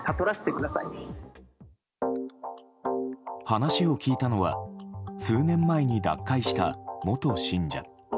話を聞いたのは数年前に脱会した元信者。